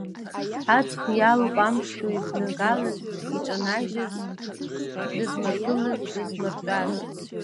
Аҵх иалоуп амш ду иԥнагалаз, иҿанажьыз, дызмыргылаз, дызмыртәаз.